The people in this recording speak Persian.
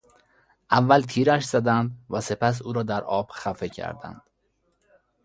اول تیرش زدند و سپس او را در آب خفه کردند.